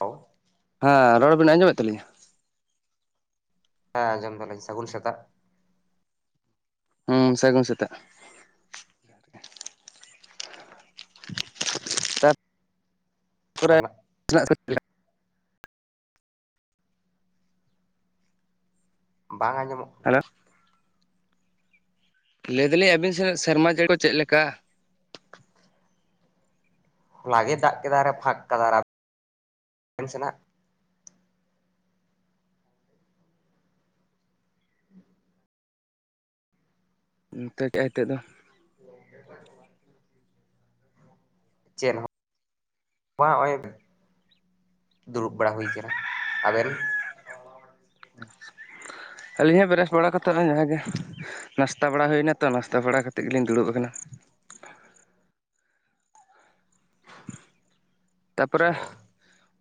Hello, ᱦᱮᱸ ᱨᱚᱲ ᱵᱤᱱ ᱟᱸᱡᱚᱢᱮᱫ ᱛᱟᱹᱟᱞᱤᱧᱟ? ᱦᱮᱸ ᱟᱸᱡᱚᱢ ᱫᱟᱞᱤᱧ ᱥᱟᱹᱜᱩᱱ ᱥᱮᱛᱟᱜ ᱦᱩᱸ ᱥᱟᱹᱜᱩᱱ ᱥᱮᱛᱟᱜ [inaudible] ᱛᱟᱨᱯᱚᱨᱮ ᱛᱟᱨᱟᱱᱟᱜ [unintelligible] ᱵᱟᱝ ᱟᱸᱡᱚᱢᱚᱜ ᱠᱟᱱᱟ ᱦᱮᱞᱳ ᱞᱟᱹᱭ ᱫᱟᱞᱤᱧ ᱟᱹᱵᱤᱱ ᱥᱮᱱᱟᱜ ᱥᱮᱨᱢᱟ ᱡᱟᱹᱲᱤ ᱠᱚ ᱪᱮᱫ ᱞᱮᱠᱟ? ᱦᱚᱞᱟ ᱜᱮ ᱫᱟᱜ ᱠᱮᱫᱟ ᱟᱨᱮ ᱯᱷᱟᱸᱠ ᱠᱟᱫᱟ ᱟᱨ ᱟᱵᱮᱱ ᱥᱮᱱᱟᱜ ᱱᱚᱛᱮ ᱠᱮᱜ ᱟᱭ ᱦᱤᱛᱚᱜ ᱫᱚ [inaudible] ᱪᱮᱫ ᱦᱚᱸ ᱵᱟ ᱦᱚᱸᱚᱭ ᱫᱩᱲᱩᱵ ᱵᱟᱲᱟ ᱦᱩᱭ ᱠᱟᱱᱟ ᱟᱵᱮᱱ ᱟᱹᱞᱤᱧ ᱦᱚᱸ ᱵᱨᱟᱥ ᱵᱟᱲᱟ ᱠᱟᱛᱮ ᱚᱭ ᱡᱟᱦᱟᱸ ᱜᱮ ᱱᱟᱥᱛᱟ ᱵᱟᱲᱟ ᱦᱩᱭᱱᱟ ᱛᱚ ᱱᱟᱥᱛᱟ ᱵᱟᱲᱟ ᱠᱟᱛᱮᱮᱫ ᱜᱮᱞᱤᱧ ᱫᱩᱲᱩᱵ ᱟᱠᱟᱱᱟ᱾ ᱚ ᱛᱟᱯᱚᱨᱮ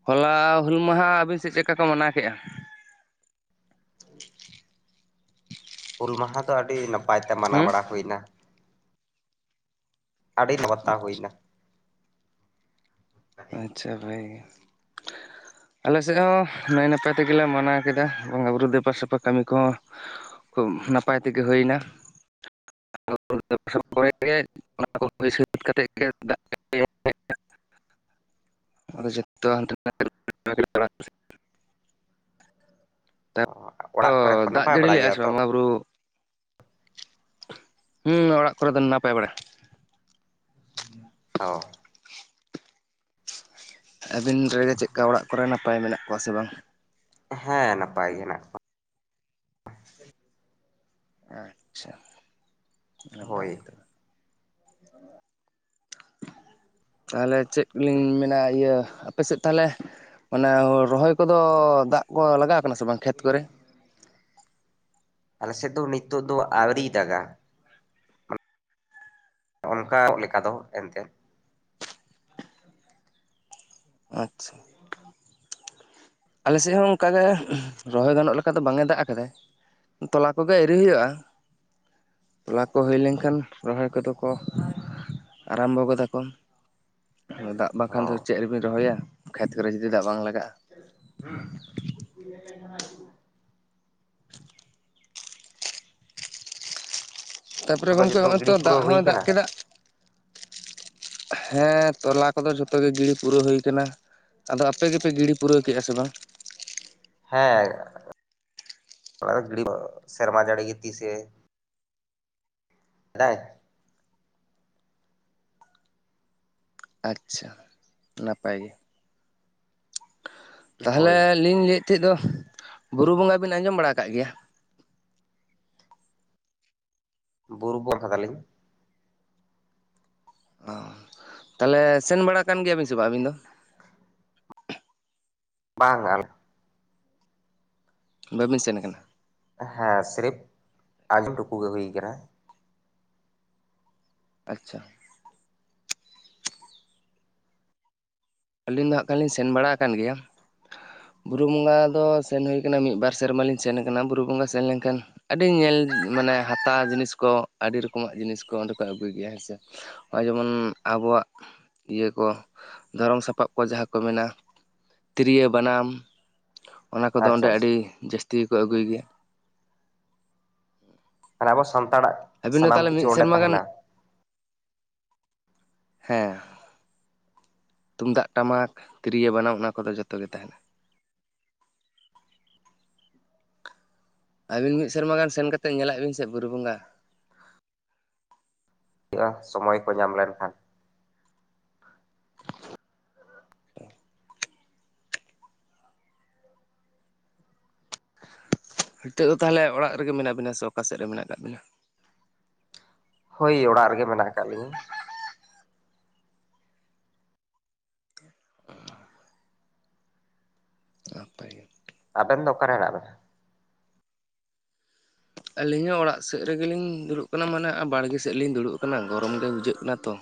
ᱦᱚᱞᱟ ᱦᱩᱞ ᱢᱟᱦᱟ ᱟᱹᱵᱤᱱ ᱥᱮᱫ ᱪᱮᱜᱠᱟ ᱠᱚ ᱢᱟᱱᱟᱣ ᱠᱮᱜ-ᱟ? ᱦᱩᱞ ᱢᱟᱦᱟ ᱫᱚ ᱟᱹᱰᱤ ᱱᱟᱯᱟᱭ ᱛᱮ ᱢᱟᱱᱟᱣ ᱦᱮᱸ ᱵᱟᱲᱟ ᱦᱩᱭᱱᱟ ᱟᱹᱰᱤ [unintelligible] ᱦᱩᱭᱱᱟ ᱟᱪᱪᱷᱟ ᱵᱷᱟᱜᱮ ᱜᱮ ᱟᱞᱮ ᱥᱮᱫ ᱦᱚᱸ ᱱᱟᱭ ᱱᱟᱯᱟᱭ ᱛᱮᱜᱮᱞᱮ ᱢᱟᱱᱟᱣ ᱠᱮᱫᱟ ᱵᱚᱸᱜᱟ ᱵᱩᱨᱩ ᱫᱮᱵᱟ ᱥᱮᱵᱟ ᱠᱟᱹᱢᱤ ᱠᱚᱦᱚᱸ ᱠᱷᱩᱵ ᱱᱟᱯᱟᱭ ᱛᱮᱜᱮ ᱦᱩᱭᱱᱟ [unintelligible] ᱟᱫᱚ ᱡᱷᱚᱛᱚ [unintelligible] ᱫᱟᱜ ᱚ ᱫᱚ ᱚᱲᱟᱜ ᱠᱚᱨᱮ ᱠᱚ ᱫᱟᱜ ᱱᱟᱯᱟᱭ ᱡᱟᱹᱲᱤ ᱵᱟᱲᱟ ᱞᱮ ᱟᱭ ᱜᱮᱭᱟ ᱥᱮ ᱛᱚ ᱵᱚᱸᱜᱟ ᱵᱩᱨᱩ ᱦᱩᱸ ᱚᱲᱟᱜ ᱠᱚᱨᱮ ᱫᱚ ᱱᱟᱯᱟᱭ ᱵᱟᱲᱟ, ᱚ ᱟᱹᱵᱤᱱ ᱨᱮᱜᱮ ᱪᱮᱜᱠᱟ ᱚᱲᱟᱜ ᱠᱚᱨᱮ ᱱᱟᱯᱟᱭ ᱢᱮᱱᱟᱜ ᱠᱚᱣᱟ ᱥᱮ ᱵᱟᱝ? ᱦᱮᱸ ᱱᱟᱯᱟᱭ ᱜᱮ ᱦᱮᱱᱟᱜ ᱠᱚ᱾ ᱟᱪᱪᱷᱟ ᱱᱟᱯᱟᱭ ᱦᱳᱭ ᱜᱮ ᱛᱚᱵᱮ᱾ ᱛᱟᱦᱚᱞᱮ ᱪᱮᱫ ᱞᱤᱧ ᱢᱮᱱᱟ ᱤᱭᱟᱹ ᱟᱯᱮ ᱥᱮᱫ ᱛᱟᱦᱞᱮ ᱚᱱᱮ ᱨᱚᱦᱚᱭ ᱠᱚᱫᱚ ᱫᱟᱜ ᱠᱚ ᱞᱟᱜᱟᱣ ᱠᱟᱱᱟ ᱥᱮ ᱵᱟᱝ ᱠᱷᱮᱛ ᱠᱚᱨᱮ? ᱟᱞᱮᱥᱮᱫ ᱫᱚ ᱱᱤᱛᱚᱜ ᱫᱚ ᱟᱹᱣᱨᱤ ᱫᱟᱜᱟ᱾ ᱚᱱᱠᱟ ᱞᱮᱠᱟ ᱫᱚ ᱮᱱᱛᱮᱫ᱾ ᱟᱪᱪᱷᱟ ᱟᱞᱮᱥᱮᱫ ᱦᱚᱸ ᱚᱱᱠᱟᱟᱜᱮ ᱨᱚᱦᱚᱭ ᱜᱟᱱᱚᱜ ᱞᱮᱠᱟ ᱫᱚ ᱵᱟᱝ ᱮ ᱫᱟᱜ ᱟᱠᱟᱫᱟ᱾ ᱛᱚᱞᱟ ᱠᱚᱜᱮ ᱟᱣᱨᱤ ᱦᱩᱭᱩᱜᱼᱟ ᱛᱚᱞᱟ ᱠᱚ ᱦᱩᱭ ᱞᱮᱱᱠᱷᱟᱱ ᱨᱚᱦᱚᱭ ᱠᱚᱫᱚ, ᱠᱚ ᱟᱨᱟᱢᱵᱚ ᱜᱚ ᱫᱟᱠᱚ᱾ ᱫᱟᱜ ᱚ ᱵᱟᱠᱷᱟᱱ ᱫᱚ ᱪᱮᱫ ᱨᱮᱵᱤᱱ ᱨᱚᱦᱚᱭᱟ ᱠᱷᱮᱛ ᱠᱚᱨᱮ ᱡᱩᱫᱤ ᱫᱟᱜ ᱵᱟᱝ ᱞᱟᱜᱟᱜᱼᱟ᱾ ᱛᱟᱨᱯᱚᱨᱮ ᱟᱫᱚ ᱜᱚᱢᱠᱮ ᱡᱚᱛᱚ ᱦᱚᱜᱼᱚᱭ ᱜᱤᱰᱤ ᱛᱚ ᱫᱟᱜ ᱯᱩᱨᱟᱹᱣ ᱦᱩᱭ ᱦᱚᱸ ᱫᱟᱜ ᱠᱟᱱᱟ ᱠᱮᱫᱟ ᱦᱮᱸ ᱛᱚᱞᱟ ᱠᱚᱫᱚ ᱡᱚᱛᱚ ᱜᱮ ᱜᱤᱲᱤ ᱯᱩᱨᱟᱹᱣ ᱦᱩᱭ ᱠᱟᱱᱟ᱾ ᱟᱫᱚ ᱟᱯᱮᱜ ᱜᱮᱯᱮ ᱜᱤᱰᱤ ᱯᱩᱨᱟᱹᱣᱼᱟ ᱥᱮ ᱵᱟᱝ? ᱦᱮᱸ, ᱚᱱᱟ ᱜᱤᱲᱤ ᱥᱮᱨᱢᱟ ᱡᱟᱹᱲᱤᱜ ᱜᱮ ᱛᱤᱥᱮ [unintelligible] ᱟᱪᱪᱷᱟ ᱱᱟᱯᱟᱭ ᱜᱮ᱾ ᱛᱟᱦᱚᱞᱮ ᱦᱳᱭ ᱞᱤᱧ ᱞᱟᱹᱭᱮᱫ ᱛᱟᱦᱮᱸᱜ ᱫᱚ ᱵᱩᱨᱩ ᱵᱚᱸᱜᱟ ᱵᱤᱱ ᱟᱸᱡᱚᱢ ᱵᱟᱲᱟ ᱟᱠᱟᱫ ᱜᱮᱭᱟ? ᱵᱩᱨᱩ ᱵᱚᱸᱜᱟ ᱫᱟᱞᱤᱧ ᱚ ᱛᱟᱦᱚᱞᱮ ᱥᱮᱱ ᱵᱟᱲᱟ ᱠᱟᱱᱟᱱ ᱜᱮᱭᱟᱵᱤᱱ ᱥᱮ ᱵᱟᱝᱟᱜᱼᱟ ᱟᱹᱵᱤᱱ ᱫᱚ? ᱵᱟᱝ ᱟᱞᱮ ᱵᱟᱹᱵᱤᱱ ᱥᱮᱱ ᱟᱠᱟᱱᱟ? ᱦᱮᱸ ᱥᱤᱨᱯ ᱟᱸᱡᱚᱢ ᱴᱩᱠᱩ ᱜᱮ ᱦᱩᱭ ᱟᱠᱟᱱᱟ᱾ ᱟᱪᱪᱷᱟ ᱟᱹᱞᱤᱧ ᱫᱚ ᱦᱟᱸᱜ ᱠᱷᱟᱡᱞᱤᱧ ᱥᱮᱱ ᱵᱟᱲᱟ ᱟᱠᱟᱱ ᱜᱮᱭᱟᱺ ᱵᱩᱨᱩ ᱵᱚᱸᱜᱟ ᱫᱚ ᱥᱮᱱ ᱦᱩᱭ ᱠᱟᱱᱟ ᱢᱤᱫᱼ ᱵᱟᱨ ᱥᱮᱨᱢᱟ ᱞᱤᱧ ᱥᱮᱱ ᱟᱠᱟᱱᱟ᱾ ᱵᱩᱨᱩ ᱵᱚᱸᱜᱟ ᱥᱮᱱ ᱞᱮᱱᱠᱷᱟᱱ ᱟᱹᱰᱤ ᱧᱮᱞ ᱢᱟᱱᱮ ᱦᱟᱛᱟᱣ ᱡᱤᱱᱤᱥ ᱠᱚ ᱟᱹᱰᱤ ᱨᱚᱠᱚᱢᱟᱜ ᱡᱤᱱᱤᱥ ᱠᱚ ᱚᱸᱰᱮ ᱠᱚ ᱟᱹᱜᱩᱭ ᱜᱮᱭᱟ ᱦᱮᱸᱥᱮ᱾ ᱱᱚᱜᱼᱚᱭ ᱡᱮᱢᱚᱱ ᱟᱵᱚᱣᱟᱜ ᱤᱭᱟᱹ ᱠᱚ ᱫᱷᱚᱨᱚᱢ ᱥᱟ ᱯᱟᱯ ᱠᱚ ᱡᱟᱦᱟᱸ ᱠᱚ ᱢᱮᱱᱟ ᱛᱤᱨᱭᱳ ᱵᱟᱱᱟᱢ ᱚᱱᱟ ᱠᱚᱫᱚ ᱚᱸᱰᱮ ᱟᱪᱪᱷᱟ ᱟᱪᱪᱷᱟ ᱟᱹᱰᱤ ᱡᱟᱹᱥ ᱛᱤ ᱠᱚ ᱟᱹᱜᱩᱭ ᱜᱮᱭᱟ᱾ ᱟᱨ ᱟᱵᱚ ᱥᱟᱱᱛᱟᱲᱟᱜ ᱟᱹᱵᱤᱱ ᱫᱚ ᱥᱟᱱᱟᱢ ᱛᱟᱦᱚᱞᱮ ᱠᱤᱪᱷᱩ ᱢᱤᱫ ᱚᱸᱰᱮ ᱥᱮᱨᱢᱟ ᱜᱟᱱ ᱛᱟᱦᱮᱱᱟ᱾ ᱦᱮᱸ ᱛᱩᱢᱫᱟᱜ ᱴᱟᱢᱟᱠ ᱛᱤᱨᱭᱳ ᱵᱟᱱᱟᱢ ᱚᱱᱟ ᱠᱚᱫᱚ ᱡᱚᱛᱚ ᱜᱮ ᱛᱟᱦᱮᱱᱟ᱾ ᱟᱹᱵᱤᱱ ᱢᱤᱫ ᱥᱮᱨᱢᱟ ᱜᱟᱱ ᱥᱮᱱ ᱠᱟᱛᱮᱫ ᱧᱮᱞᱟᱜ ᱵᱤᱱ ᱥᱮᱮᱫ ᱵᱩᱨᱩ ᱵᱚᱸᱜᱟ᱾ ᱦᱩᱭᱩᱜᱼᱟ ᱥᱚᱢᱚᱭ ᱠᱚ ᱧᱟᱢ ᱞᱮᱱᱠᱷᱟᱱ᱾ ᱱᱤᱛᱳ ᱫᱚ ᱛᱟᱦᱚᱞᱮ ᱚᱲᱟᱜ ᱨᱮᱜᱮ ᱢᱮᱱᱟᱜ ᱵᱤᱱᱟ ᱥᱮ ᱚᱠᱟ ᱥᱮᱫ ᱨᱮ ᱢᱮᱱᱟᱜ ᱟᱠᱟᱫ ᱵᱤᱱᱟ? ᱦᱳᱭ ᱚᱲᱟᱜ ᱨᱮᱜᱮ ᱢᱮᱱᱟᱜ ᱟᱠᱟᱫ ᱞᱤᱧᱟᱹ᱾ ᱱᱟᱯᱟᱭ ᱜᱮ ᱟᱵᱮᱱ ᱫᱚ ᱚᱠᱟᱨᱮ ᱦᱮᱱᱟᱜ ᱵᱮᱱᱟ? ᱟᱹᱞᱤᱧ ᱦᱚᱸ ᱚᱲᱟᱜ ᱥᱮᱫ ᱨᱮᱜᱮᱞᱤᱧ ᱫᱩᱲᱩᱵ ᱠᱟᱱᱟ ᱢᱟᱱᱮ ᱵᱟᱲᱜᱮ ᱥᱮᱫ ᱞᱤᱧ ᱫᱩᱲᱩᱵ ᱠᱟᱱᱟ ᱜᱚᱨᱚᱢ ᱜᱮ ᱵᱩᱡᱷᱟᱹᱜ ᱠᱟᱱᱟ ᱛᱚ᱾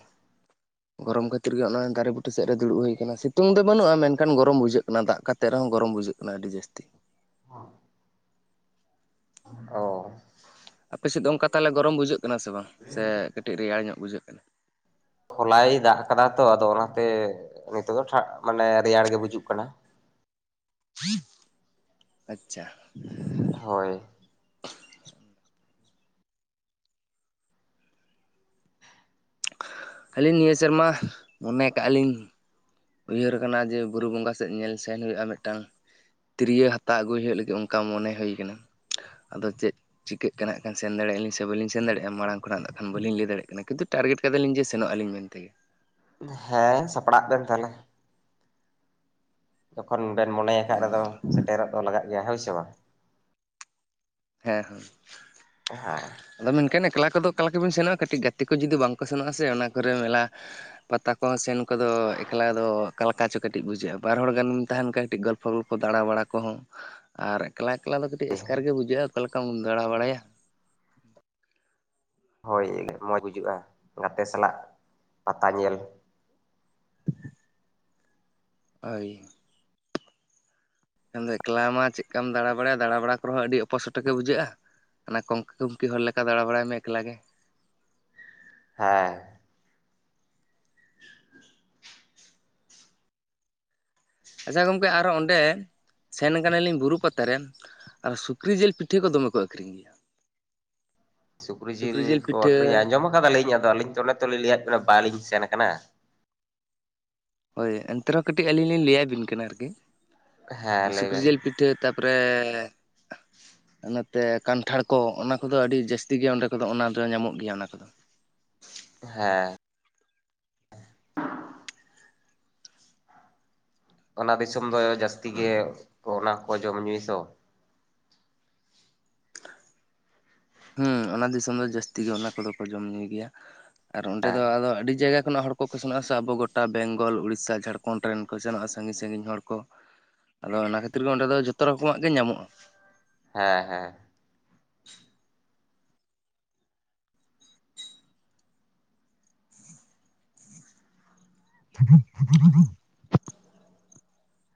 ᱜᱚᱨᱚᱢ ᱠᱷᱟᱹᱛᱤᱨ ᱜᱮᱜ ᱚᱮ ᱫᱮᱩ ᱥᱮᱫ ᱨᱮ ᱫᱩᱲᱩᱵ ᱦᱩᱭ ᱟᱠᱟᱱᱟ ᱥᱤᱛᱩᱝ ᱫᱚ ᱵᱟᱹᱱᱩᱜᱼᱟ ᱢᱮᱱᱠᱷᱟᱱ ᱜᱚᱨᱚᱢ ᱵᱩᱡᱷᱟᱹᱜ ᱠᱟᱱᱟ᱾ ᱫᱟᱜ ᱛᱮᱨᱮᱚᱢ-ᱜᱚᱨᱚᱢ ᱵᱩᱡᱷᱟᱹᱜ ᱠᱟᱱᱟ ᱟᱹᱰᱤ ᱡᱟᱹᱥᱛᱤ᱾ ᱚᱸ ᱾ ᱚ ᱾ ᱟᱯᱮᱥᱮᱫ ᱫᱚ ᱚᱱᱠᱟ ᱛᱟᱦᱚᱞᱮ ᱜᱚᱨᱚᱢ ᱵᱩᱡᱷᱟᱹᱜ ᱠᱟᱱᱟ ᱥᱮ ᱵᱟᱝ ᱥᱮ ᱠᱟᱹᱴᱤᱡ ᱨᱮᱭᱟᱲ ᱧᱚᱜ ᱵᱩᱡᱷᱟᱹᱜ ᱠᱟᱱᱟ? ᱦᱚᱞᱟᱭ ᱫᱟᱜ ᱟᱠᱟᱫᱟ ᱛᱚ ᱟᱫᱚ ᱚᱱᱟᱛᱮ, ᱱᱤᱛᱚᱜ ᱫᱚ ᱢᱟᱱᱮ ᱨᱮᱭᱟᱲ ᱜᱮ ᱵᱩᱡᱷᱩᱜ ᱠᱟᱱᱟ᱾ ᱟᱪᱷᱟ ᱾ ᱦᱳᱭ ᱾ ᱟᱹᱞᱤᱧ ᱱᱤᱭᱟᱹ ᱥᱮᱨᱢᱟ ᱢᱚᱱᱮ ᱠᱟᱜᱼᱟ ᱞᱤᱧᱼᱼ ᱩᱭᱦᱟᱹᱨ ᱟᱠᱟᱱᱟ ᱡᱮ ᱵᱩᱨᱩ ᱵᱚᱸᱜᱟ ᱥᱮᱫ ᱧᱮᱞ ᱥᱮᱱ ᱦᱩᱭᱩᱜᱼᱟ ᱢᱤᱫᱴᱟᱝᱼᱼ ᱛᱤᱨᱭᱳ ᱦᱟᱛᱟᱣ ᱟᱹᱜᱩᱭ ᱦᱩᱭᱩᱜ ᱞᱟᱹᱜᱤᱫ ᱚᱱᱠᱟ ᱢᱚᱱᱮ ᱦᱩᱭ ᱟᱠᱟᱱᱟ ᱾ ᱟᱫᱚ ᱪᱮᱫᱼᱼ ᱪᱤᱠᱟᱹᱜ ᱠᱟᱱᱟ ᱠᱷᱟᱱ ᱥᱮᱱ ᱫᱟᱲᱮᱭᱟᱜᱼᱟᱞᱤ ᱥᱮ ᱵᱟᱞᱤᱧ ᱥᱮᱱ ᱫᱟᱲᱮᱭᱟᱜᱼᱟ ᱢᱟᱲᱟᱝ ᱠᱷᱚᱱᱟᱜ ᱵᱟᱠᱷᱟᱱ ᱵᱟᱹᱞᱤᱧ ᱞᱟᱹᱭ ᱫᱟᱲᱮᱭᱟᱜ ᱠᱟᱱᱟ ᱠᱤᱱᱛᱩ ᱴᱟᱨᱜᱮᱴ ᱠᱟᱫᱟᱞᱤᱧ ᱡᱮ ᱥᱮᱱᱚᱜ ᱟᱹᱞᱤᱧ ᱢᱮᱱ ᱛᱮᱜᱮ ᱾ ᱦᱮᱸ ᱥᱟᱯᱲᱟᱜ ᱵᱮᱱ ᱛᱟᱦᱚᱞᱮ ᱾ ᱡᱚᱠᱷᱚᱱ ᱵᱮᱱ ᱢᱚᱱᱮᱭᱟᱠᱟᱫ ᱨᱮᱫᱚ ᱦᱮᱸ ᱥᱮᱴᱮᱨᱚᱜ ᱫᱚ ᱞᱟᱜᱟᱜ ᱜᱮᱭᱟ ᱦᱳᱭ ᱥᱮ ᱵᱟᱝ ᱾ ᱦᱮᱸ ᱦᱮᱸ ᱾ ᱦᱟ ᱾ ᱟᱫᱚ ᱢᱮᱱᱠᱷᱟᱱ ᱮᱠᱞᱟ ᱠᱚᱫᱚ ᱚᱠᱟᱞᱮᱠᱟ ᱵᱮᱱ ᱥᱮᱱᱚᱜᱼᱟ ᱠᱟᱹᱴᱤᱡ ᱜᱟᱛᱮ ᱠᱚ ᱡᱩᱫᱤ ᱵᱟᱝᱠᱚ ᱥᱮᱱᱚᱜᱼᱟ ᱥᱮ ᱚᱱᱟ ᱠᱚᱨᱮ ᱢᱮᱞᱟᱼᱼ ᱯᱟᱛᱟ ᱠᱚᱦᱚᱸ ᱥᱮᱱ ᱠᱚᱫᱚ ᱮᱠᱞᱟ ᱫᱚ ᱚᱠᱟᱞᱮᱠᱟ ᱪᱚ ᱠᱟᱹᱴᱤᱡ ᱵᱩᱡᱷᱟᱹᱜᱼᱟ ᱵᱟᱨ ᱦᱚᱲ ᱜᱟᱱᱢ ᱛᱟᱦᱮᱱ ᱠᱷᱟᱱ ᱠᱟᱹᱴᱤᱡ ᱜᱚᱞᱯᱚᱼᱼ ᱯᱷᱚᱞ ᱠᱚ ᱫᱟᱬᱟ ᱵᱟᱲᱟ ᱠᱚᱦᱚᱸ ᱟᱨ ᱮᱠᱞᱟᱮ-ᱮᱠᱞᱟ ᱫᱚ ᱠᱟᱹᱴᱤᱡ ᱮᱥᱠᱟᱨ ᱜᱮ ᱵᱩᱡᱷᱟᱹᱜᱼᱟ ᱚᱠᱟ ᱞᱮᱠᱟᱢ ᱫᱟᱬᱟ ᱵᱟᱲᱟᱭᱟ? ᱦᱳᱭ ᱢᱚᱡᱽ ᱵᱩᱡᱷᱟᱹᱜᱼᱟ ᱜᱟᱛᱮ ᱥᱟᱞᱟᱜ ᱯᱟᱛᱟ ᱧᱮᱞ ᱾ ᱦᱳᱭ ᱾ ᱢᱮᱱ ᱫᱚ ᱮᱠᱞᱟ ᱢᱟ ᱪᱮᱫ ᱞᱮᱠᱟᱢ ᱫᱟᱬᱟ ᱵᱟᱲᱟᱭᱟ ᱫᱟᱬᱟ ᱵᱟᱲᱟ ᱠᱚᱨᱮ ᱦᱚᱸ ᱟᱹᱰᱤ ᱚᱯᱚᱥᱚᱴᱚᱜᱮ ᱵᱩᱡᱷᱟᱹᱜᱼᱟ ᱾ ᱚᱱᱟ ᱠᱚᱝᱠᱟ-ᱠᱩᱝᱠᱤ ᱦᱚᱲ ᱞᱮᱠᱟ ᱫᱟᱬᱟ ᱵᱟᱲᱟᱭ ᱢᱮ ᱮᱠᱞᱟ ᱜᱮ ᱾ ᱦᱮᱸ ᱾ ᱟᱪᱷᱟ ᱜᱚᱝᱠᱮ ᱟᱨᱚ ᱚᱸᱰᱮ ᱥᱮᱱ ᱟᱠᱟᱱᱟᱞᱤᱧ ᱵᱩᱨᱩ ᱯᱟᱛᱟ ᱨᱮᱼᱼ ᱟᱨ ᱥᱩᱠᱨᱤ ᱡᱤᱞ ᱯᱤᱴᱷᱟᱹ ᱠᱚ ᱫᱚᱢᱮ ᱠᱚ ᱟᱠᱷᱨᱤᱧ ᱜᱮᱭᱟ ᱾ [inaudible] ᱥᱩᱠᱨᱤ ᱡᱤᱞ ᱠᱚ ᱟᱹᱷᱨᱤᱧᱟ ᱟᱸᱡᱚᱢ ᱟᱠᱟᱫᱟᱞᱤᱧ ᱟᱫᱚ ᱟᱹᱞᱤᱧ ᱛᱚ ᱚᱱᱮ ᱛᱚ ᱞᱤᱧ ᱞᱟᱹᱭᱟᱫ ᱵᱮᱱᱟ ᱵᱟᱞᱤᱧ ᱥᱮᱱ ᱟᱠᱟᱱᱟ ᱾ ᱦᱳᱭ ᱮᱱᱛᱮ ᱨᱮᱦᱚᱸ ᱠᱟᱹᱴᱤᱡ ᱟᱹᱞᱤᱧ ᱞᱤᱧ ᱞᱟᱹᱭᱟᱵᱤᱱ ᱠᱟᱱᱟ ᱟᱨᱠᱤ, ᱦᱮᱸ ᱞᱟᱹᱭ ᱥᱩᱠᱨᱤ ᱵᱮᱱ ᱡᱤᱞ ᱯᱤᱴᱷᱟᱹ ᱛᱟᱯᱚᱨᱼᱼ ᱯᱚᱨᱮ ᱾ ᱚᱱᱟᱛᱮ ᱠᱟᱱᱴᱷᱟᱲ ᱠᱚ ᱚᱱᱟ ᱠᱚᱫᱚ ᱟᱹᱰᱤ ᱡᱟᱹᱥᱛᱤ ᱜᱮᱭᱟ ᱚᱸᱰᱮ ᱠᱚᱫᱚ ᱚᱱᱟ ᱫᱚ ᱧᱟᱢᱚᱜ ᱜᱮᱭᱟ ᱚᱱᱟ ᱠᱚᱫᱚ ᱾ ᱦᱮᱸ ᱾ ᱚᱱᱟ ᱫᱤᱥᱚᱢ ᱫᱚ ᱡᱟᱹᱥᱛᱤ ᱜᱮ ᱚᱱᱟ ᱠᱚ ᱡᱚᱢᱧᱩᱭᱟ ᱛᱚ ᱾ [inaudible] ᱦᱮᱸ ᱚᱱᱟ ᱫᱤᱥᱚᱢ ᱫᱚ ᱡᱟᱹᱥᱛᱤ ᱜᱮ ᱚᱱᱟ ᱠᱚᱫᱚ ᱠᱚ ᱡᱚᱢ ᱧᱩᱭ ᱜᱮᱭᱟ, ᱟᱨ ᱚᱸᱰᱮ ᱫᱚ ᱟᱫᱚ ᱟᱹᱰᱤ ᱡᱟᱭᱜᱟ ᱠᱷᱚᱱᱟᱜ ᱦᱚᱲ ᱠᱚᱼᱼ ᱚᱠᱚ ᱠᱚ ᱥᱮᱱᱚᱜᱼᱟ ᱥᱮ ᱟᱵᱚ ᱜᱚᱴᱟ ᱵᱮᱝᱜᱚᱞ ᱩᱲᱤᱥᱟ ᱡᱷᱟᱲᱠᱷᱚᱸᱰ ᱨᱮᱱ ᱠᱚ ᱥᱮᱱᱚᱜᱼᱟ ᱥᱟᱺᱜᱤᱧ-ᱥᱟᱺᱜᱤᱧ ᱦᱚᱲ ᱠᱚᱼᱼ ᱟᱫᱚ ᱚᱱᱟ ᱠᱷᱟᱛᱤᱨ ᱜᱮ ᱚᱸᱰᱮ ᱫᱚ ᱡᱚᱛᱚ ᱨᱚᱠᱚᱢᱟᱜ ᱜᱮ ᱧᱟᱢᱚᱜᱼᱟ ᱾ ᱦᱮᱸᱻᱦᱮᱸ ᱾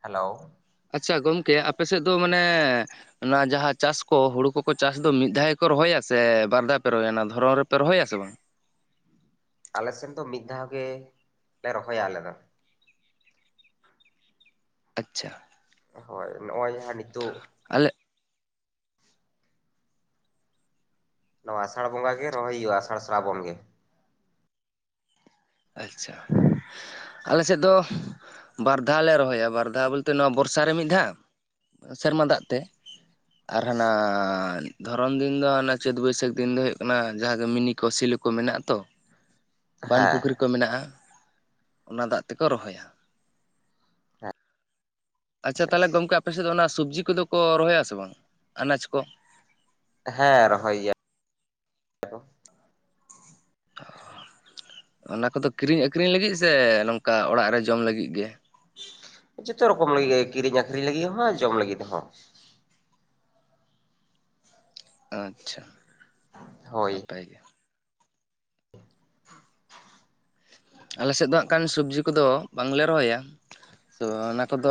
ᱦᱮᱞᱳ? ᱟᱪᱷᱟ ᱜᱚᱝᱠᱮ ᱟᱯᱮ ᱥᱮᱫ ᱫᱚ ᱢᱟᱱᱮᱼᱼ ᱚᱱᱟ ᱡᱟᱦᱟᱸ ᱪᱟᱥ ᱠᱚ ᱦᱩᱲᱩ ᱠᱚᱠᱚ ᱪᱟᱥ ᱫᱚ ᱢᱤᱫ ᱫᱷᱟᱣ ᱜᱮ ᱠᱚ ᱨᱚᱦᱚᱭᱟ ᱥᱮ ᱵᱟᱨ ᱫᱷᱟᱣ ᱯᱮ ᱨᱚᱦᱚᱭᱟ ᱫᱷᱚᱨᱚᱢ ᱨᱮᱯᱮ ᱨᱚᱦᱚᱭᱟᱥᱮ ᱵᱟᱝ? ᱟᱞᱮ ᱥᱮᱱ ᱫᱚ ᱢᱤᱫ ᱫᱷᱟᱣ ᱜᱮ ᱞᱮ ᱨᱚᱦᱚᱭᱟ ᱟᱞᱮᱫᱚ ᱾ ᱟᱪᱷᱟ ᱾ ᱦᱳᱭ ᱱᱚᱜᱼᱚᱭ ᱦᱟᱸ ᱱᱤᱛᱚᱜᱼᱼ ᱟᱞᱮᱼᱼ ᱱᱚᱣᱟ ᱟᱥᱟᱲ ᱵᱚᱸᱜᱟ ᱜᱮ ᱨᱚᱦᱚᱭ ᱦᱩᱭᱩᱜᱼᱟ ᱟᱥᱟᱲ ᱥᱟᱨᱟᱵᱚᱱ ᱜᱮ ᱾ ᱟᱪᱷᱟ ᱾ ᱟᱞᱮᱥᱮᱫ ᱫᱚ ᱵᱟᱨ ᱫᱷᱟᱣ ᱞᱮ ᱨᱚᱦᱚᱭᱟ ᱵᱟᱨ ᱫᱷᱟᱣ ᱵᱚᱞᱛᱮ ᱱᱚᱣᱟ ᱵᱚᱨᱥᱟ ᱨᱮ ᱢᱤᱫ ᱫᱷᱟᱣᱼᱼ ᱥᱮᱨᱢᱟ ᱫᱟᱜ ᱛᱮᱼᱼ ᱟᱨ ᱦᱟᱱᱟ ᱫᱷᱚᱨᱚᱱ ᱫᱤᱱ ᱫᱚ ᱦᱟᱱᱟ ᱪᱟᱹᱛ ᱵᱟᱹᱭᱥᱟᱹᱠᱷ ᱫᱤᱱ ᱫᱚ ᱦᱩᱭᱩᱜ ᱠᱟᱱᱟ ᱡᱟᱦᱟᱸ ᱫᱚ ᱢᱤᱱᱤ ᱠᱚ ᱥᱤᱞᱩᱼᱼ ᱠᱚ ᱢᱮᱱᱟᱜ ᱛᱚ᱾ [inaudible] ᱵᱟᱸᱫ ᱯᱩᱠᱷᱨᱤ ᱠᱚ ᱢᱮᱱᱟᱜᱼᱟ, ᱚᱱᱟ ᱫᱟᱜ ᱛᱮᱠᱚ ᱨᱚᱦᱚᱭᱟ᱾ ᱦᱮᱸ ᱟᱪᱪᱷᱟ ᱛᱟᱦᱚᱞᱮ ᱜᱚᱢᱠᱮ ᱟᱯᱮ ᱥᱮᱫ ᱫᱚ ᱚᱱᱟ ᱥᱚᱵᱽᱡᱤ ᱠᱚᱫᱚ ᱠᱚ ᱨᱚᱦᱚᱭᱟ ᱥᱮ ᱵᱟᱝ ᱟᱱᱟᱡ ᱠᱚ? ᱦᱮᱸ ᱨᱚᱦᱚᱭ ᱜᱮᱭᱟ᱾ ᱠᱚ ᱚᱱᱟ ᱠᱚᱫᱚ ᱠᱤᱨᱤᱧ ᱟᱹᱠᱷᱨᱤᱧ ᱞᱟᱹᱜᱤᱫ ᱥᱮ ᱱᱚᱝᱠᱟ ᱚᱲᱟᱜ ᱨᱮ ᱡᱚᱢ ᱞᱟᱹᱜᱤᱫ ᱜᱮ ᱡᱚᱛᱚ ᱨᱚᱠᱚᱢ ᱞᱟᱹᱜᱤᱫ ᱠᱤᱨᱤᱧ ᱟᱠᱷᱨᱤᱧ ᱞᱟᱹᱜᱤᱫ ᱦᱚᱸ ᱡᱚᱢ ᱞᱟᱹᱜᱤᱫ ᱦᱚᱸ ᱟᱪᱷᱟ ᱦᱳᱭ ᱱᱟᱯᱟᱭ ᱜᱮ ᱟᱞᱮ ᱥᱮᱫ ᱫᱚ ᱦᱟᱜ ᱠᱷᱟᱱ ᱥᱚᱵᱽᱡᱤ ᱠᱚᱫᱚ ᱵᱟᱝᱞᱮ ᱨᱚᱦᱚᱭᱟ ᱛᱚ ᱚᱱᱟ ᱠᱚᱫᱚ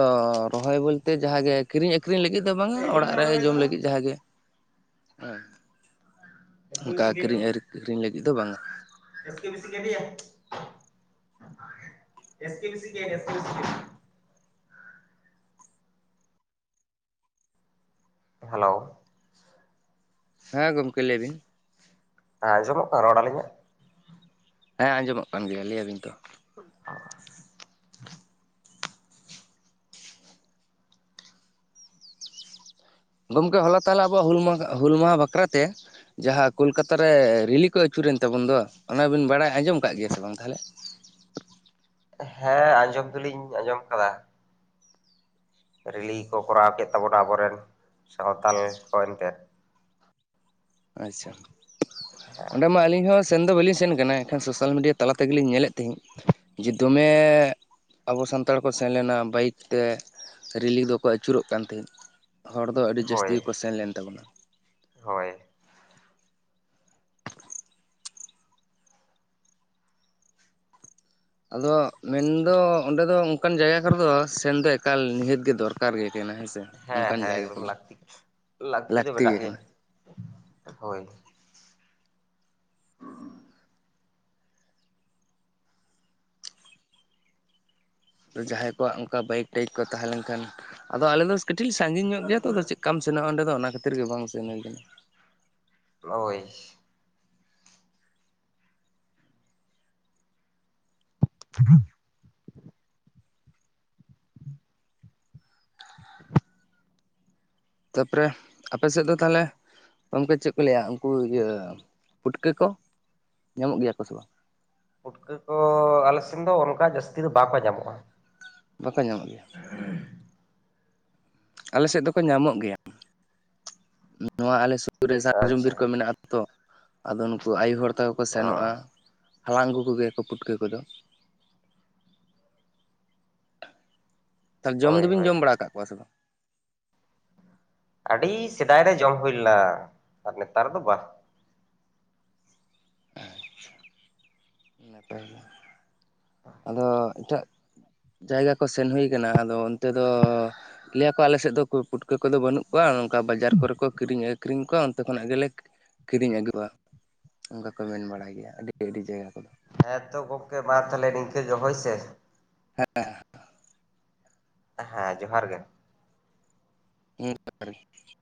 ᱨᱚᱦᱚᱭ ᱵᱚᱞᱛᱮ ᱡᱟᱦᱟᱸ ᱜᱮ ᱠᱤᱨᱤᱧ ᱟᱠᱷᱨᱤᱧ ᱞᱟᱹᱜᱤᱫ ᱫᱚ ᱵᱟᱝᱟ ᱚᱲᱟᱜ ᱨᱮ ᱡᱚᱢ ᱞᱟᱹᱜᱤᱫ ᱡᱟᱦᱟᱸᱟᱜ ᱜᱮ ᱦᱮᱸ ᱚᱱᱠᱟ ᱠᱤᱨᱤᱧ ᱟᱹᱠᱷᱨᱤᱧ ᱞᱟᱹᱜᱤᱫ ᱫᱚ ᱵᱟᱝᱟ᱾ [unintelligible] ᱦᱮᱞᱳ ᱦᱮᱸ ᱜᱚᱝᱠᱮ ᱞᱟᱹᱭ ᱵᱤᱱ ᱮᱸ ᱟᱡᱚᱢᱚᱜ ᱠᱟᱱᱟ ᱨᱚᱲ ᱟᱹᱞᱤᱧᱟ? ᱦᱮᱸ ᱟᱸᱡᱚᱢᱚᱜ ᱠᱟᱱ ᱜᱮᱭᱟ ᱞᱟᱹᱭ ᱟᱵᱤᱱ ᱛᱚ᱾ ᱦᱩ ᱜᱚᱢᱠᱮ ᱦᱚᱞᱟ ᱛᱟᱦᱮ ᱟᱵᱚᱣᱟᱜ ᱦᱩᱞ ᱢᱟ ᱦᱩᱞ ᱢᱟᱦᱟ ᱵᱟᱠᱷᱨᱟ ᱛᱮ ᱡᱟᱦᱟᱸ ᱠᱳᱞᱠᱟᱛᱟ ᱨᱮ ᱨᱤᱞᱤ ᱠᱚ ᱟᱹᱪᱩᱨᱮᱱ ᱛᱟᱵᱚᱱ ᱫᱚ ᱚᱱᱟᱵᱤᱱ ᱵᱟᱲᱟᱭ ᱟᱸᱡᱚᱢ ᱟᱠᱟᱫ ᱜᱮᱭᱟ ᱥᱮ ᱵᱟᱝ ᱛᱟᱦᱚᱞᱮ? ᱦᱮᱸ ᱟᱸᱡᱚᱢ ᱫᱚᱞᱤᱧ ᱟᱸᱡᱚᱢ ᱟᱠᱟᱫᱟ ᱨᱤᱞᱤ ᱠᱚ ᱠᱚᱨᱟᱣ ᱠᱮᱫ ᱛᱟᱵᱚᱱᱟ ᱟᱵᱚᱨᱮᱱ ᱥᱟᱶᱛᱟᱞ ᱠᱚ ᱮᱱᱛᱮᱫ ᱟᱪᱪᱷᱟ ᱚᱸᱰᱮ ᱢᱟ ᱟᱹᱞᱤᱧ ᱦᱚᱸ ᱥᱮᱱ ᱫᱚ ᱵᱟᱹᱞᱤᱧ ᱥᱮᱱ ᱟᱠᱟᱱᱟ ᱮᱱᱠᱷᱟᱱ ᱥᱳᱥᱟᱞ ᱢᱤᱰᱤᱭᱟ ᱛᱟᱞᱟᱛᱮ ᱛᱮ ᱜᱮᱞᱤᱧ ᱧᱮᱞᱮᱫ ᱛᱟᱦᱮᱫ ᱡᱮ ᱫᱚᱢᱮ ᱟᱵᱚ ᱥᱟᱱᱛᱟᱲ ᱠᱚ ᱥᱮᱱ ᱞᱮᱱᱟ ᱵᱟᱭᱤᱠ ᱛᱮ ᱨᱤᱞᱤᱠ ᱫᱚᱠᱚ ᱟᱹᱪᱩᱨᱚᱜ ᱠᱟᱱ ᱛᱟᱦᱮᱸᱫ ᱦᱚᱲ ᱫᱚ ᱟᱹᱰᱤ ᱡᱟᱹᱥᱛᱤ ᱦᱳᱭ ᱜᱮᱠᱚ ᱥᱮᱱ ᱞᱮᱱ ᱛᱟᱵᱚᱱᱟ᱾ ᱦᱳᱭ ᱟᱫᱚ ᱢᱮᱱᱫᱚ ᱚᱸᱰᱮ ᱫᱚ ᱚᱱᱠᱟᱱ ᱡᱟᱭᱜᱟ ᱠᱚᱨᱮ ᱫᱚ ᱥᱮᱱᱫᱚ ᱮᱠᱟᱞ ᱱᱤᱦᱟᱹᱛ ᱜᱮ ᱫᱚᱨᱠᱟᱨ᱾ ᱫᱚᱨᱠᱟᱨ ᱜᱮ ᱠᱟᱱᱟ ᱦᱮᱸ ᱥᱮ ᱦᱮᱸ ᱚᱱᱠᱟᱱ ᱦᱮᱸ ᱡᱟᱭᱜᱟ ᱮᱠᱫᱚᱢ ᱠᱚᱫᱚ ᱞᱟᱹᱠᱛᱤ ᱫᱚ ᱞᱟᱹᱠᱛᱤ ᱢᱮᱱᱟᱜ ᱜᱮ ᱜᱮᱭᱟ ᱠᱟᱱᱟ᱾ ᱦᱳᱭ ᱡᱟᱦᱟᱸᱭ ᱠᱚᱣᱟᱜ ᱚᱱᱠᱟ ᱵᱟᱭᱤᱠ ᱴᱟᱭᱤᱠ ᱠᱚ ᱛᱟᱦᱮᱸ ᱞᱮᱱᱠᱷᱟᱱ ᱟᱫᱚ ᱟᱞᱮ ᱫᱚ ᱠᱟᱹᱴᱤᱡ ᱥᱟᱺᱜᱤᱧ ᱧᱚᱜ ᱜᱮᱭᱟ ᱛᱚ ᱟ ᱪᱮᱫᱠᱟᱢ ᱥᱮᱱᱚᱜᱼᱟ ᱚᱸᱰᱮ ᱫᱚ ᱚᱱᱟ ᱠᱷᱟᱹᱛᱤᱨ ᱜᱮ ᱵᱟᱝ ᱥᱮᱱᱟ ᱠᱟᱱᱟ ᱦᱳᱭ [inaudible] ᱛᱟᱯᱚᱨᱮ ᱟᱯᱮᱥᱮᱫ ᱫᱚ ᱛᱟᱦᱚᱞᱮ ᱜᱚᱢᱠᱮ ᱪᱮᱫ ᱠᱚ ᱞᱟᱹᱭᱟ ᱩᱱᱠᱩ ᱤᱭᱟᱹ ᱯᱩᱴᱠᱟᱹ ᱠᱚ ᱧᱟᱢᱚᱜ ᱜᱮᱭᱟ ᱠᱚ ᱥᱮ ᱵᱟᱝ ᱯᱩᱴᱠᱟᱹ ᱠᱚ ᱟᱞᱮ ᱥᱮᱱ ᱫᱚ ᱚᱱᱠᱟ ᱡᱟᱹᱥᱛᱤ ᱫᱚ ᱵᱟᱠᱚ ᱧᱟᱢᱚᱜᱼᱟ᱾ ᱵᱟᱠᱚ ᱧᱟᱢᱚᱜ ᱜᱮᱭᱟ᱾ ᱦᱮᱸ ᱟᱞᱮ ᱥᱮᱫ ᱫᱚᱠᱚ ᱧᱟᱢᱚᱜ ᱜᱮᱭᱟ ᱱᱚᱣᱟ ᱟᱞᱮ ᱥᱩᱨ ᱨᱮ ᱥᱟᱨᱡᱚᱢ ᱟᱪᱪᱷᱟ ᱵᱤᱨ ᱠᱚ ᱢᱮᱱᱟᱜ᱾ ᱛᱚ ᱟᱫᱚ ᱱᱩᱠᱩ ᱟᱭᱩ ᱦᱚᱲ ᱛᱟᱠᱚ ᱠᱚ ᱚ ᱥᱮᱱᱚᱜᱼᱟ ᱦᱟᱞᱟᱝ ᱟᱹᱜᱩ ᱠᱚᱜᱮᱭᱟᱠᱚ ᱯᱩᱴᱠᱟᱹ ᱠᱚᱫᱚ ᱛᱟᱦᱚᱞᱮ ᱡᱚᱢ ᱦᱳᱭ ᱫᱚᱵᱤᱱ ᱦᱳᱭ ᱡᱚᱢ ᱵᱟᱲᱟ ᱟᱠᱟᱫ ᱠᱚᱣᱟ ᱥᱮ ᱵᱟᱝ ᱟᱹᱰᱤ ᱥᱮᱫᱟᱭ ᱨᱮ ᱡᱚᱢ ᱦᱩᱭ ᱞᱮᱱᱟ ᱟᱨ ᱱᱮᱛᱟᱨ ᱫᱚ ᱵᱟᱝ᱾ ᱟᱪᱪᱷᱟ ᱱᱟᱯᱟᱭ ᱜᱮ ᱟᱫᱚ ᱮᱴᱟᱜ ᱡᱟᱭᱜᱟ ᱠᱚ ᱥᱮᱱ ᱦᱩᱭ ᱠᱟᱱᱟ ᱟᱫᱚ ᱚᱱᱛᱮ ᱫᱚ ᱞᱟᱹᱭ ᱟᱠᱚ ᱟᱞᱮᱥᱮᱫ ᱫᱚ ᱯᱩᱴᱠᱟᱹ ᱠᱚᱫᱚ ᱵᱟᱹᱱᱩᱜ ᱠᱚᱣᱟ᱾ ᱚᱱᱠᱟ ᱵᱟᱡᱟᱨ ᱠᱚᱨᱮ ᱠᱚ ᱠᱤᱨᱤᱧ ᱟᱠᱷᱨᱤᱧ ᱠᱚᱣᱟ ᱚᱱᱛᱮ ᱠᱷᱚᱱᱟᱜ ᱜᱮᱞᱮ ᱠᱤᱨᱤᱧ ᱟᱹᱜᱩᱣᱟ᱾ ᱚᱱᱠᱟ ᱠᱚ ᱢᱮᱱ ᱵᱟᱲᱟᱭ ᱜᱮᱭᱟ ᱟᱹᱰᱤ ᱟᱹᱰᱤ ᱡᱟᱭᱜᱟ ᱠᱚᱫᱚ ᱦᱮᱸ ᱛᱚ ᱜᱚᱢᱠᱮ ᱢᱟ ᱛᱟᱦᱚᱞᱮ ᱱᱤᱝᱠᱟᱹ ᱜᱮ ᱦᱚᱭ ᱥᱮ ᱦᱮᱸ ᱦᱮᱸ ᱦᱮᱸ ᱡᱚᱦᱟᱨ ᱜᱮ ᱦᱩ [unintelligible]